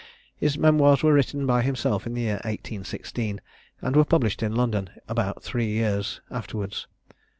His memoirs were written by himself in the year 1816, and were published in London in about three years afterwards.